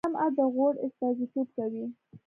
شمعه د غوړ استازیتوب کوي